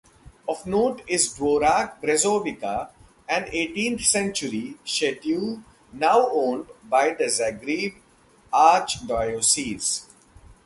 Of note is Dvorac Brezovica, an eighteenth-century chateau now owned by the Zagreb Archdiocese.